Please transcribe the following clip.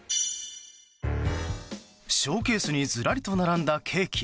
ショーケースにずらりと並んだケーキ。